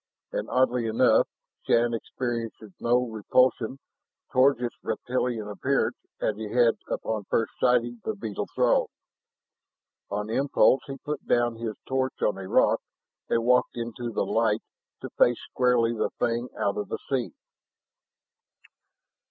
And, oddly enough, Shann experienced no repulsion toward its reptilian appearance as he had upon first sighting the beetle Throg. On impulse he put down his torch on a rock and walked into the light to face squarely the thing out of the sea.